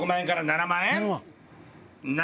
７万円！